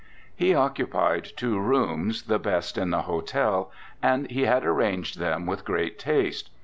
He occupied two rooms, the best in the hotel, and he had arranged them with great taste.